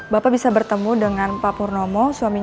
saya bakal hubungi bapak lagi